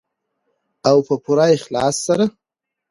او په پوره اخلاص سره.